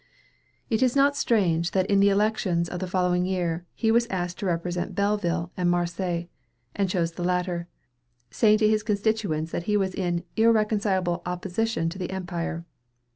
It is not strange that in the elections of the following year, he was asked to represent Belleville and Marseilles, and chose the latter, saying to his constituents that he was in "irreconcilable opposition to the Empire."